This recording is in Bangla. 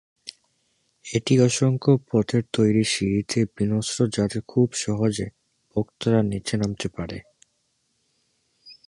এটি অসংখ্য পাথরের তৈরি সিঁড়ি তে বিন্যস্ত যাতে খুব সহজে ভক্তরা নিচে নামতে পারত।